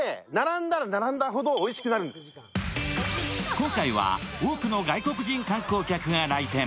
今回は多くの外国人観光客が来店。